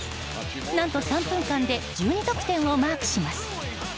何と３分間で１２得点をマークします。